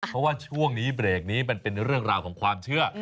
เพราะว่าช่วงนี้เบรกนี้มันเป็นเรื่องราวของความเชื่อ